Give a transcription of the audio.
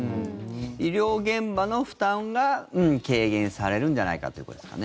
医療現場の負担が軽減されるんじゃないかということですかね。